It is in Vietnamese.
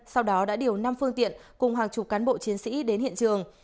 sau đó đã điều năm phương tiện cùng hàng chục cán bộ chiến sĩ đến hiện trường